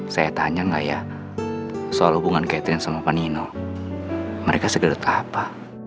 saya tanya nggak ya soal hubungan catherine sama pak nino mereka segedet apa